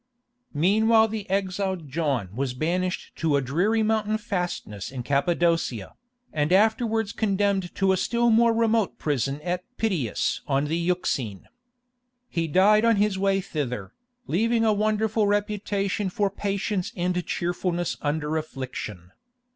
Meanwhile the exiled John was banished to a dreary mountain fastness in Cappadocia, and afterwards condemned to a still more remote prison at Pityus on the Euxine. He died on his way thither, leaving a wonderful reputation for patience and cheerfulness under affliction.